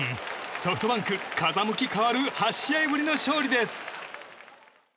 ソフトバンク、風向き変わる８試合ぶりの勝利です。